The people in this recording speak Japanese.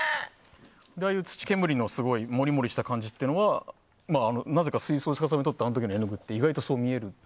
ああいう土煙のもりもりした感じというのはなぜか水槽を逆さに撮ったあの時の絵の具ってそう見える。